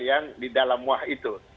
yang di dalam wah itu